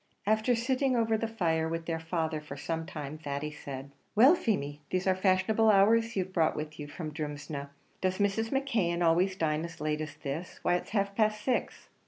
After sitting over the fire with their father for some time, Thady said, "Well, Feemy, these are fashionable hours you've brought with you from Drumsna. Does Mrs. McKeon always dine as late as this? Why it's half past six!"